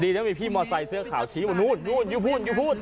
ดีนะว่ามีพี่มอเตอร์ใส่เสื้อขาวชี้นู่นอยู่พูด